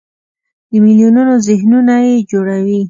د میلیونونو ذهنونه یې جوړوي.